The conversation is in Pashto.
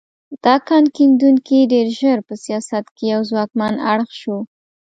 دا کان کیندونکي ډېر ژر په سیاست کې یو ځواکمن اړخ شو.